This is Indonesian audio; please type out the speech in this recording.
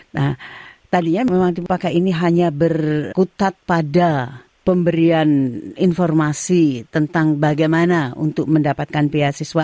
nah tadinya memang dipakai ini hanya berkutat pada pemberian informasi tentang bagaimana untuk mendapatkan beasiswa